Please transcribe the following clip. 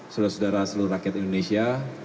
saudara saudara seluruh rakyat indonesia